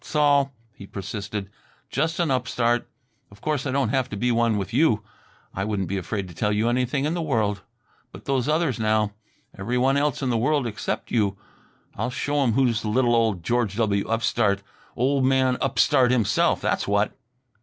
"'S all," he persisted; "just 'n upstart. Of course I don't have to be one with you. I wouldn't be afraid to tell you anything in the world; but those others, now; every one else in the world except you; I'll show 'em who's little old George W. Upstart old man Upstart himself, that's what!"